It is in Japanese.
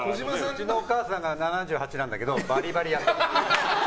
うちのお母さんが７８なんだけどバリバリやってた。